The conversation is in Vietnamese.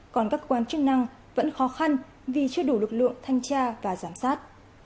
còn các quan chức năng vẫn khó khăn vì chưa đủ lực lượng thanh tra và giám sát